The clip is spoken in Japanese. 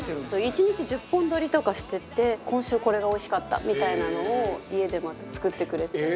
１日１０本撮りとかしてて今週これがおいしかったみたいなのを家でまた作ってくれて。